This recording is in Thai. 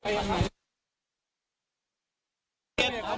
ใจเย็นใจเย็น